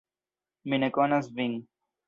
Mi ne konas vin.